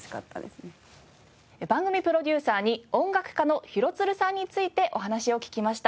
番組プロデューサーに音楽家の廣津留さんについてお話を聞きました。